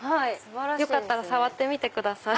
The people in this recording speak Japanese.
よかったら触ってみてください。